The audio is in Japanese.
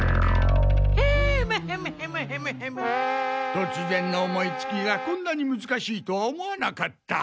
とつぜんの思いつきがこんなにむずかしいとは思わなかった。